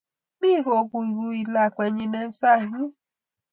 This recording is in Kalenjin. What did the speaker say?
Mi ko kuikui lakwenyi eng sang' yun